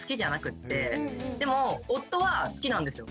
でも夫は好きなんですよ